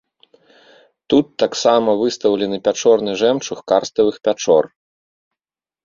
Тут таксама выстаўлены пячорны жэмчуг карставых пячор.